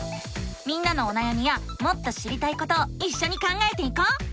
みんなのおなやみやもっと知りたいことをいっしょに考えていこう！